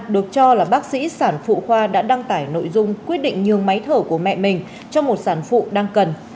được cho là bác sĩ sản phụ khoa đã đăng tải nội dung quyết định nhường máy thở của mẹ mình cho một sản phụ đang cần